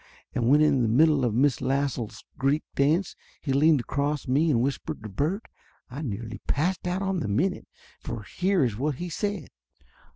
And when in the middle of Miss Lassell's Greek dance he leaned across me and whispered to Bert, I nearly passed out on the minute, for here is what he said.